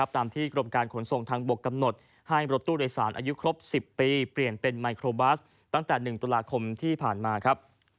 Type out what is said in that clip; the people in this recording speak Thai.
ตามที่กรมการขนส่งทางบกกำหนดให้รถตู้โดยสารอายุครบ๑๐ปีเปลี่ยนเป็นไมโครบัสตั้งแต่๑ตุลาคมที่ผ่านมาครับ